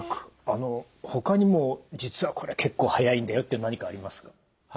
あのほかにも実はこれ結構早いんだよって何かありますか？